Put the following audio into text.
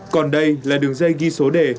còn đây là đường dây ghi số đề